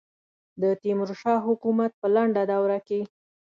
د تیمور شاه حکومت په لنډه دوره کې.